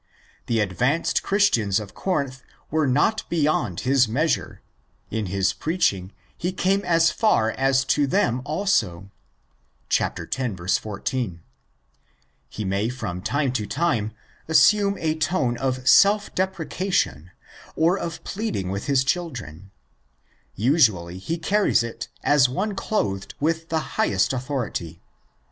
The advanced Christians of Corinth were not beyond his measure; in his preaching he came as far as to them also (ἄχρε yap | kai ὑμῶν ἐφθάσαμεν ἐν τῷ εὐαγγελίῳ τοῦ Χριστοῦ, x. 14). He may from time to time assume a tone of self deprecation or of pleading with his children : usually he carries it as one clothed with the highest authority (i.